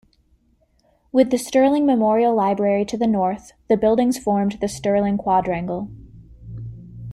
With the Sterling Memorial Library to the north, the buildings formed the Sterling Quadrangle.